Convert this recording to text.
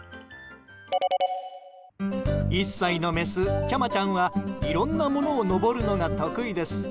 １歳のメス、ちゃまちゃんはいろんなものを登るのが得意です。